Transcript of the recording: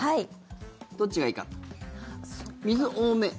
どっちがいいか。